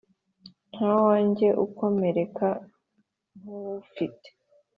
Ntawanjye ukomereka nku wufite